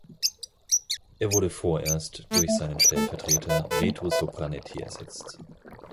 Er wurde vorerst durch seinen Stellvertreter Reto Sopranetti ersetzt.